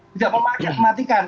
tidak memakai mematikan